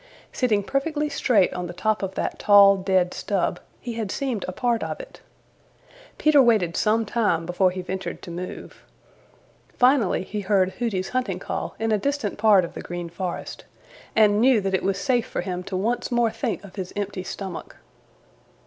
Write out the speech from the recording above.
Sitting perfectly straight on the top of that tall, dead stub he had seemed a part of it. Peter waited some time before he ventured to move. Finally he heard Hooty's hunting call in a distant part of the Green Forest, and knew that it was safe for him to once more think of his empty stomach.